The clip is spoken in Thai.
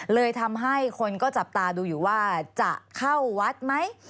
เลยทำให้คนก็จับตาดูอยู่ว่าจะเข้าวัดไหม